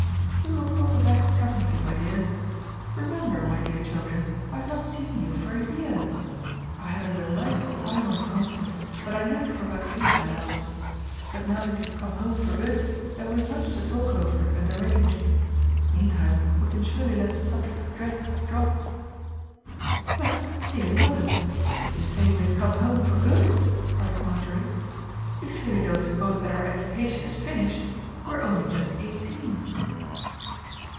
"We will talk of that presently, my dears. Remember, my dear children, I have not seen you for a year. I had a delightful time on the Continent, but I never forgot you, my loves. But now that you have come home for good, there will be much to talk over and arrange. Meantime, we can surely let the subject of dress drop." "But, dear mother, did you say we had come home for good?" cried Marjorie. "You surely don't suppose that our education is finished? We are only just eighteen."